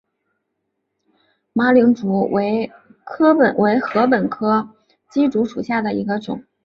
马岭竹为禾本科簕竹属下的一个种。